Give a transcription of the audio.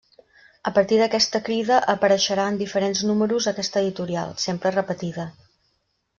A partir d'aquesta crida apareixerà en diferents números aquesta editorial, sempre repetida.